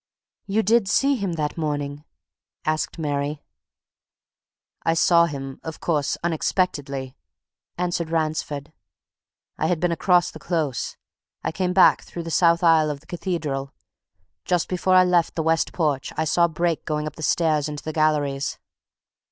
"You did see him that morning?" asked Mary. "I saw him, of course, unexpectedly," answered Ransford. "I had been across the Close I came back through the south aisle of the Cathedral. Just before I left the west porch I saw Brake going up the stairs to the galleries.